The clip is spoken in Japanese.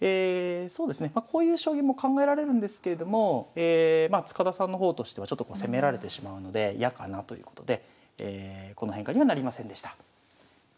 そうですねこういう将棋も考えられるんですけれども塚田さんの方としてはちょっとこう攻められてしまうので嫌かなということでこの変化にはなりませんでした。